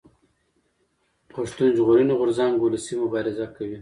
پښتون ژغورني غورځنګ اولسي مبارزه کوي